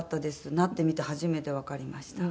なってみて初めてわかりました。